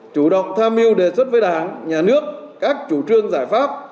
chủ động tham mưu đề xuất với đảng nhà nước các chủ trương giải pháp